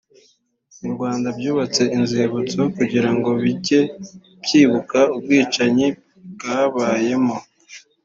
n’u Rwanda byubatse inzibutso kugira ngo bijye byibuka ubwicanyi bwabayemo